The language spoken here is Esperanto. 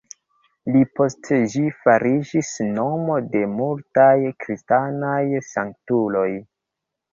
Pli poste ĝi fariĝis nomo de multaj kristanaj sanktuloj.